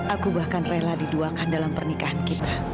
aku bahkan rela diduakan dalam pernikahan kita